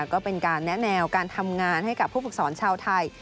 ก็เป็นการแนะแนวการทำงานให้กับผู้ฝึกสอนชาวไทย